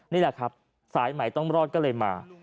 นี่แหละครับสายใหม่ต้องรอดก็เลยมา